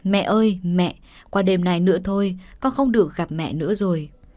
mẹ ơi mẹ qua đêm này nữa thôi con không được gặp mẹ nữa rồi